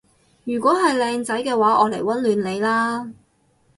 如果係靚仔嘅話我嚟溫暖你啦